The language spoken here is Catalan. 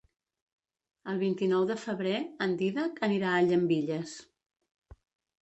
El vint-i-nou de febrer en Dídac anirà a Llambilles.